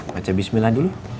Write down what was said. baca bismillah dulu